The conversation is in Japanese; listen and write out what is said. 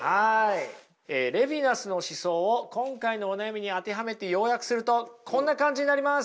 レヴィナスの思想を今回のお悩みに当てはめて要約するとこんな感じになります。